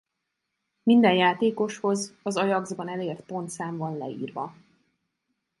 Minden játékoshoz az Ajax-ban elért pontszám van leírva.